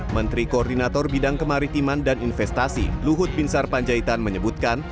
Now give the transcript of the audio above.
menteri koordinator bidang kemaritiman dan investasi luhut binsar panjaitan menyebutkan